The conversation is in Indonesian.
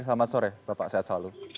selamat sore bapak sehat selalu